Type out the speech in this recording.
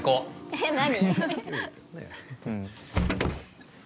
えっ何？